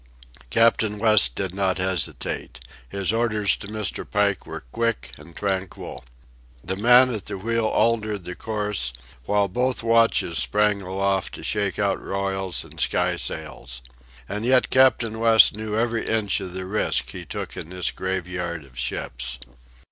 Captain West did not hesitate. His orders to Mr. Pike were quick and tranquil. The man at the wheel altered the course, while both watches sprang aloft to shake out royals and skysails. And yet Captain West knew every inch of the risk he took in this graveyard of ships.